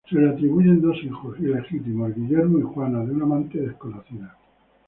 Se le atribuyen dos hijos ilegítimos, Guillermo y Juana, de una amante desconocida.